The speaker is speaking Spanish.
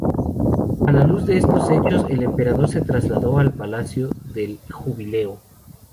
A la luz de estos hechos, el emperador se trasladó al "Palacio del Jubileo".